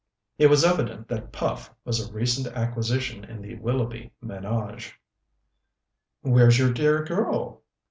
It was evident that Puff was a recent acquisition in the Willoughby ménage. "Where's your dear girl?"